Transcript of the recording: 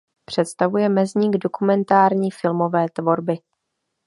Představuje mezník dokumentární filmové tvorby.